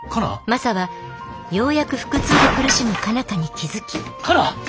マサはようやく腹痛で苦しむ佳奈花に気付きカナ！